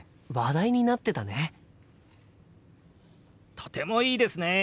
とてもいいですね！